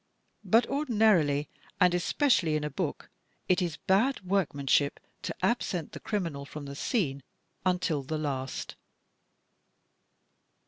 But ordi narily, and especially in a book, it is bad workmanship to absent the criminal from the scene until the last.